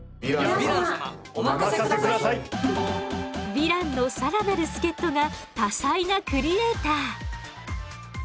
ヴィランの更なる助っとが多才なクリエーター。